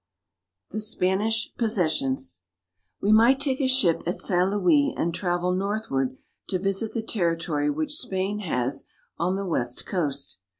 THE SPANISH POSSESSIONS WE might take a ship at St. Louis and travel north ward to visit the territory which Spain has on the west coast.